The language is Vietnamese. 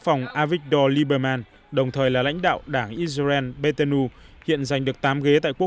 phòng avigdor lieberman đồng thời là lãnh đạo đảng israel betenu hiện giành được tám ghế tại quốc